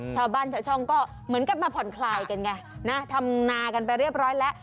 ชาวบ้านชาวช่องก็เหมือนกับมาผ่อนคลายกันไงนะทำนากันไปเรียบร้อยแล้ว